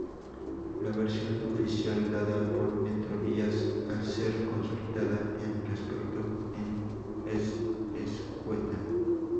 La versión oficial dada por Metrovías al ser consultada el respecto, es escueta.